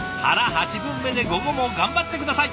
八分目で午後も頑張って下さい！